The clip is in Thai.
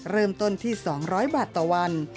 เริ่มต้นที่๒๐๐บาทต่อวัน